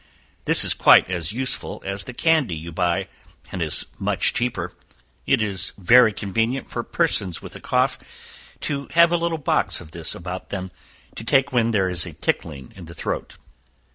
This is quite as useful as the candy you buy, and is much cheaper; it is very convenient for persons that have a cough, to have a little box of this about them to take when there is a tickling in the throat.